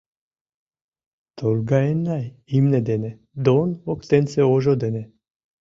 Торгаенна имне дене Дон воктенсе ожо дене.